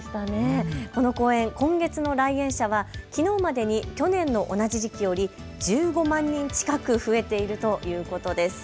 この公園、今月の来園者はきのうまでに去年の同じ時期より１５万人近く増えているということです。